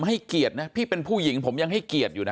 ให้เกียรตินะพี่เป็นผู้หญิงผมยังให้เกียรติอยู่นะ